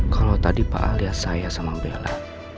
kalau tadi pak alias saya sama bella